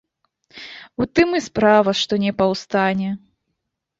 У тым і справа, што не паўстане.